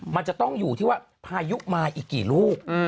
มันจะต้องอยู่ที่ว่าพายุมาอีกกี่ลูก